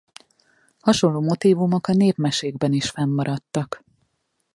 Hasonló motívumok a népmesékben is fennmaradtak.